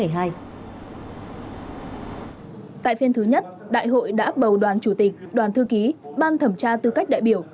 tại phiên thứ nhất đại hội đã bầu đoàn chủ tịch đoàn thư ký ban thẩm tra tư cách đại biểu